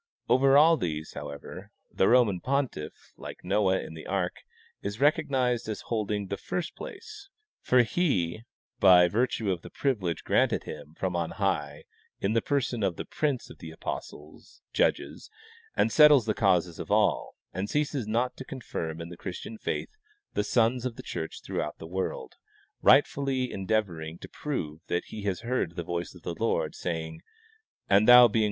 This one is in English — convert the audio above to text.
Over all these, however, the Roman pontiff, like Noah in the ark, is recognized as holding the first place, for he, by virtue of the privilege granted him from on high in the person of the prince of the apostles, judges and settles the causes of all, and ceases not to confirm in the Christian faith the sons of the church throughout the world, rightfully endeavoring to prove that he has heard the voice of the Lord saying, '' and thou being Purposes of the Vatican.